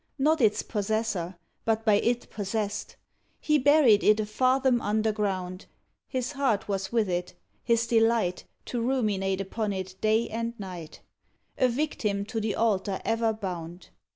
Not its possessor, but by it possessed; He buried it a fathom underground; His heart was with it; his delight To ruminate upon it day and night; A victim to the altar ever bound.